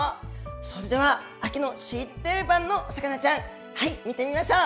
それでは秋の新定番のお魚ちゃん、見てみましょう。